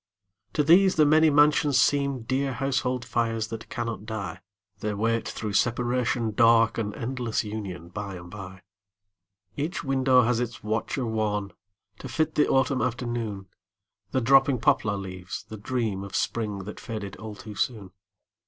To these the many mansions seem Dear household fires that cannot die; They wait through separation dark An endless union by and by. Each window has its watcher wan To fit the autumn afternoon, The dropping poplar leaves, the dream Of spring that faded all too soon.